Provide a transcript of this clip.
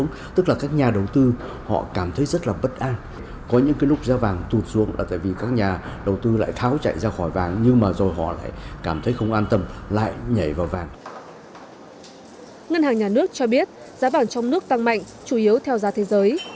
ngân hàng nhà nước cho biết giá vàng trong nước tăng mạnh chủ yếu theo giá thế giới